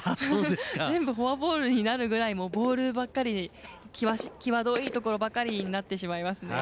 全部フォアボールになるぐらいボールばっかりきわどいところばかりになってしまいますね。